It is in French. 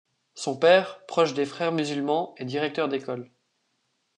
Son père, proche des Frères musulmans, est directeur d'école.